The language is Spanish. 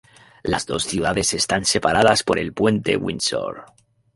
Las dos ciudades están separadas por el puente Windsor.